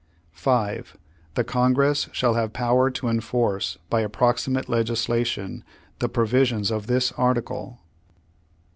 5. The Congress shall have power to enforce by ap proximate legislation the provisions of this article.